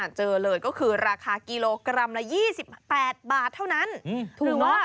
จะเป็นใบตองห่อข้าวเหนียว